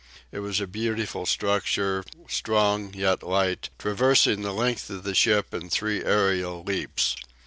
It was a beautiful structure, strong yet light, traversing the length of the ship in three aerial leaps.